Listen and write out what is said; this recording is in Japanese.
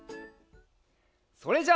それじゃあ